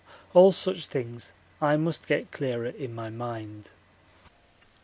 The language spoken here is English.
All such things I must get clearer in my mind.